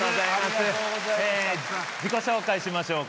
自己紹介しましょうか。